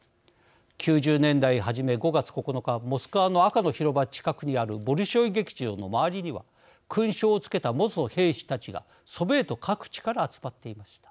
９０年代初め５月９日モスクワの赤の広場近くにあるボリショイ劇場の周りには勲章を付けた元兵士たちがソビエト各地から集まっていました。